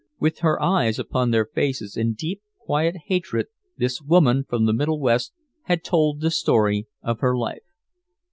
With her eyes upon their faces in deep, quiet hatred this woman from the Middle West had told the story of her life.